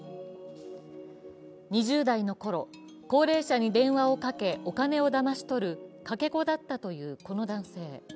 ２０代のころ、高齢者に電話をかけお金をだまし取るかけ子だったというこの男性。